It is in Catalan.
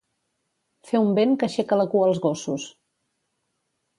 Fer un vent que aixeca la cua als gossos.